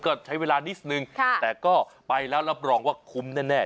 ก็ใช้เวลานิดนึงแต่ก็ไปแล้วรับรองว่าคุ้มแน่